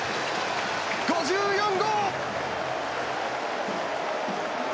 ５４号。